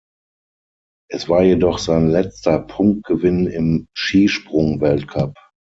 Es war jedoch sein letzter Punktgewinn im Skisprung-Weltcup.